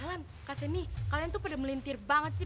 alan kak sebi kalian tuh pada melintir banget sih